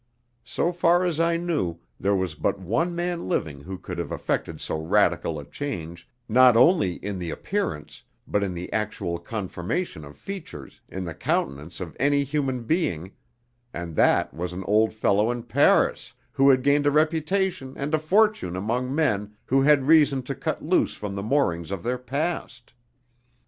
So far as I knew there was but one man living who could have effected so radical a change, not only in the appearance, but in the actual conformation of features, in the countenance of any human being, and that was an old fellow in Paris, who had gained a reputation and a fortune among men who had reason to cut loose from the moorings of their past.